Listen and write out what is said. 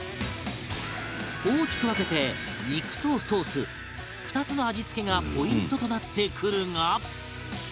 大きく分けて肉とソース２つの味付けがポイントとなってくるが